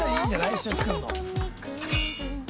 一緒に作るの。